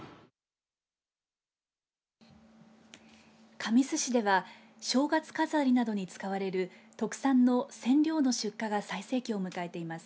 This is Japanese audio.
神栖市では正月飾りなどに使われる特産のセンリョウの出荷が最盛期を迎えています。